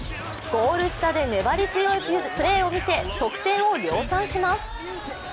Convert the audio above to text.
ゴール下で粘り強いプレーを見せ得点を量産します。